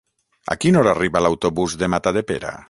A quina hora arriba l'autobús de Matadepera?